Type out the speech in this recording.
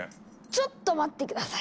ちょっと待って下さい。